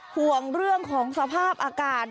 ห่วงเรื่องของสภาพอากาศ